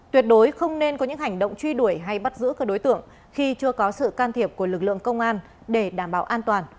tuyệt đối không nên có những hành động truy đuổi hay bắt giữ các đối tượng khi chưa có sự can thiệp của lực lượng công an để đảm bảo an toàn